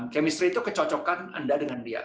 chemistry itu kecocokan anda dengan dia